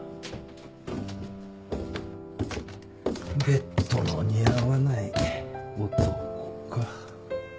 ベッドの似合わない男か。